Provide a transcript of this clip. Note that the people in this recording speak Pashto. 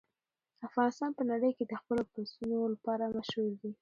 افغانستان په نړۍ کې د خپلو پسونو لپاره مشهور دی.